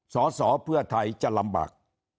สอสอเพื่อไทยจะลำบาก